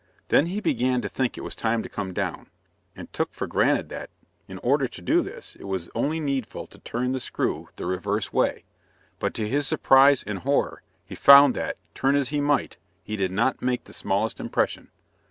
Then he began to think it was time to come down, and took for granted that, in order to do this, it was only needful to turn the screw the reverse way; but, to his surprise and horror, he found that, turn as he might, he did not make the smallest impression.